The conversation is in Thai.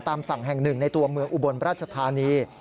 ตามสั่งแห่งหนึ่งในตัวเมืองอุบลราชธานี